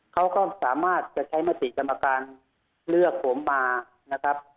เขาก็สามารถจะใช้มติกรรมการเลือกผมมานะครับ